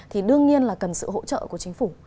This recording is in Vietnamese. thì đương nhiên là cần sự hỗ trợ của chính phủ